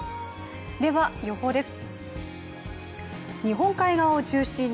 では、予報です。